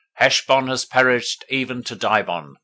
Heshbon has perished even to Dibon.